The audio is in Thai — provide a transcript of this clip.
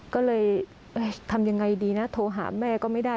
ก็เลยทำยังไงดีนะโทรหาแม่ก็ไม่ได้